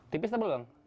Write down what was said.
tipis atau belum